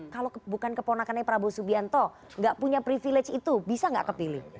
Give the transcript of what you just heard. kalau bukan keponakannya prabowo subianto nggak punya privilege itu bisa nggak kepilih